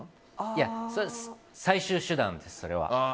いや、最終手段ですそれは。